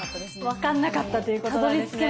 分かんなかったということなんですね。